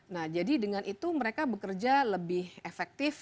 nah jadi dengan itu mereka bekerja lebih efektif